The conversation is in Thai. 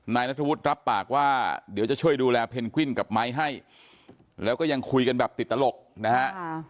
นายนัทวุฒิรับปากว่าเดี๋ยวจะช่วยดูแลเพนกวินกับไม้ให้แล้วก็ยังคุยกันแบบติดตลกนะฮะ